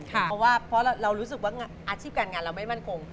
เพราะว่าเพราะเรารู้สึกว่าอาชีพการงานเราไม่มั่นคง